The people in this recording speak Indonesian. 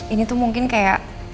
ini tuh mungkin kayak